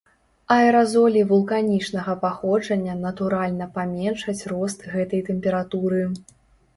Аэразолі вулканічнага паходжання натуральна паменшаць рост гэтай тэмпературы.